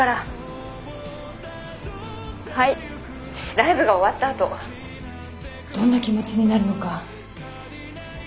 ライブが終わったあとどんな気持ちになるのか。